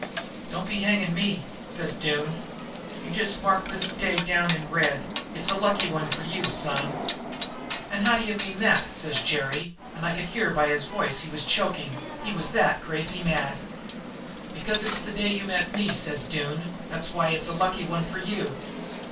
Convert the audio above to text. "Don't be hanging me,' says Doone. 'You just mark this day down in red it's a lucky one for you, son.' "'An' how d'you mean that?' says Jerry, and I could hear by his voice that he was choking, he was that crazy mad. "'Because it's the day you met me,' says Doone; 'that's why it's a lucky one for you.'